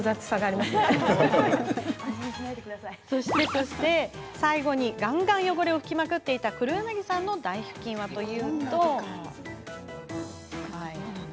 そして最後にがんがん汚れを拭きまくっていた畔柳さんの台ふきんです。